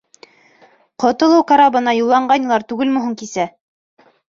Ҡотолоу карабына юлланғайнылар түгелме һуң кисә?